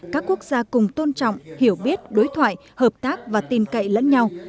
các quốc gia cùng tôn trọng hiểu biết đối thoại hợp tác và tin cậy lẫn nhau